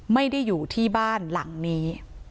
ไม่ได้อยู่ที่บ้านหลังนี้